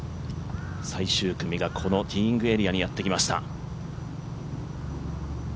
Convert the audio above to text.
最終組がティーイングエリアにやってきました。